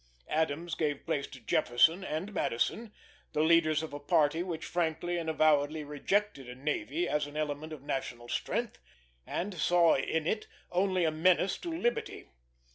Adams gave place to Jefferson and Madison, the leaders of a party which frankly and avowedly rejected a navy as an element of national strength, and saw in it only a menace to liberty.